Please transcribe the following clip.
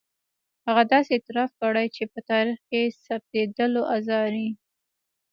هغه داسې اعتراف کړی چې په تاریخ کې ثبتېدلو ارزي.